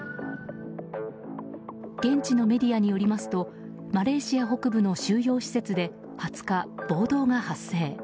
現地のメディアによりますとマレーシア北部の収容施設で２０日、暴動が発生。